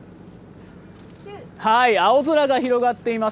青空が広がっています